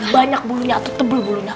banyak bulunya atau tebul bulunya